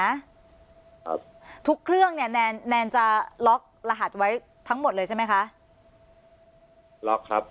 ครับทุกเครื่องเนี่ยแนนแนนจะล็อกรหัสไว้ทั้งหมดเลยใช่ไหมคะล็อกครับ